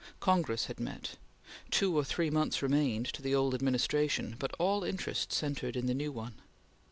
Congress had met. Two or three months remained to the old administration, but all interest centred in the new one.